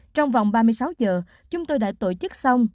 trong vòng ba mươi sáu giờ chúng tôi đã tổ chức xong